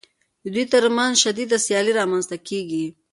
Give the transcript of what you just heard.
د دوی ترمنځ شدیده سیالي رامنځته کېږي